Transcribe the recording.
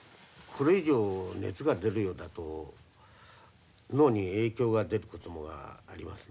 これ以上熱が出るようだと脳に影響が出ることがありますんで。